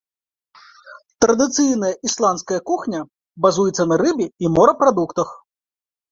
Традыцыйная ісландская кухня базуецца на рыбе і морапрадуктах.